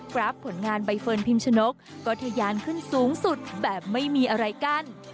ราฟผลงานใบเฟิร์นพิมชนกก็ทะยานขึ้นสูงสุดแบบไม่มีอะไรกั้น